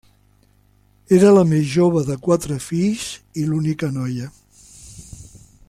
Era la més jove de quatre fills i l'única noia.